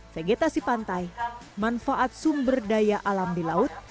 vegetasi pantai manfaat sumber daya alam di laut